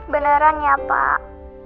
beneran ya pak